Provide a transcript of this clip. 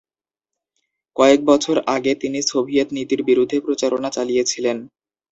কয়েক বছর আগে, তিনি সোভিয়েত নীতির বিরুদ্ধে প্রচারণা চালিয়েছিলেন।